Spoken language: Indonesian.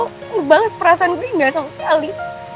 ukur banget perasaan gue gak sama sekali